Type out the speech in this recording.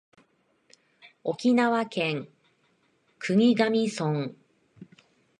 沖縄県国頭村